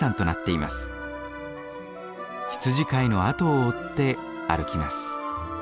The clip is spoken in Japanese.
羊飼いのあとを追って歩きます。